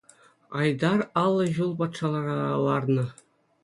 Айтар аллӑ ҫул патшара ларнӑ.